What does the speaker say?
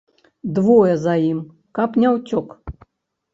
Двое за ім, каб не ўцёк!